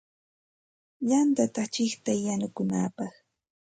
Yantata chiqtay yanukunapaq.